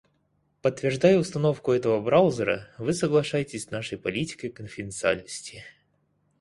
Подтверждая установку этого браузера, вы соглашаетесь с нашей политикой конфиденциальности.